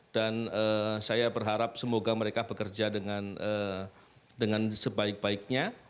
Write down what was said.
dan saya berharap semoga mereka bekerja dengan sebaik baiknya